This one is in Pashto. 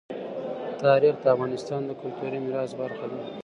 تاریخ د افغانستان د کلتوري میراث برخه ده.